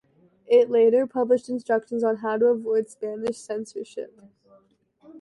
It later published instructions on how to "avoid Spanish censorship".